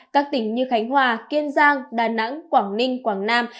các tỉnh như khánh hòa kiên giang đà nẵng quảng ninh quảng nam